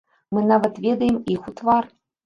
Мы нават ведаем іх у твар.